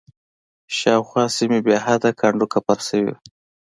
شاوخوا سیمه بېحده کنډ و کپر شوې وه.